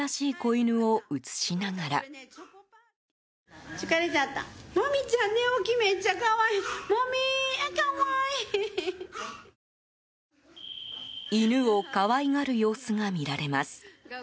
犬を可愛がる様子がみられます。